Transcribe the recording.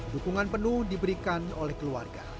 dukungan penuh diberikan oleh keluarga